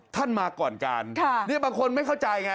มาก่อนการบางคนไม่เข้าใจไง